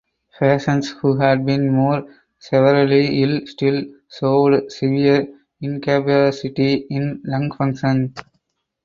Patients who had been more severely ill still showed severe incapacity in lung function.